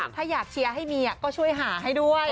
ถ้าอยากเชียร์ให้มีก็ช่วยหาให้ด้วย